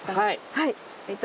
はい。